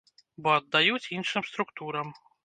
Бо аддаюць іншым структурам.